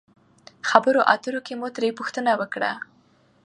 خبرو اترو کښې مو ترې پوښتنه وکړه